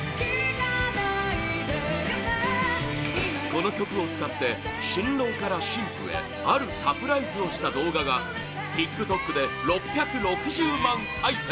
この曲を使って新郎から新婦へあるサプライズをした動画がＴｉｋＴｏｋで６６０万再生！